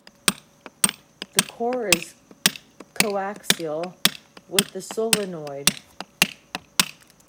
The core is coaxial with the solenoid.